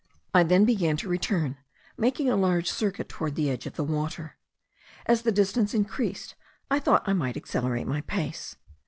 I then began to return, making a large circuit toward the edge of the water. As the distance increased, I thought I might accelerate my pace.